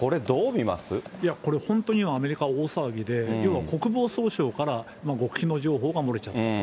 いやこれ、本当に今、アメリカ大騒ぎで、要は国防総省から極秘の情報が漏れちゃったと。